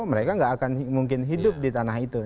mereka gak akan mungkin hidup di tanah demokrasi